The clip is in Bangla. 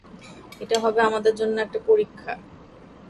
এটা হবে আমাদের জন্য একটা পরীক্ষা।